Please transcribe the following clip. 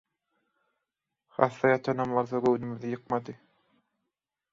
Hassa ýatanam bolsa göwnümizi ýykmady